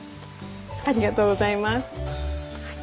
ありがとうございます。